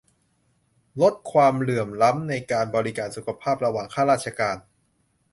ลดความเหลื่อมล้ำในการบริการสุขภาพระหว่างข้าราชการ